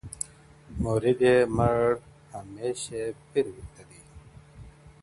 مريـــد يــې مـړ هـمېـش يـې پيـر ويده دی.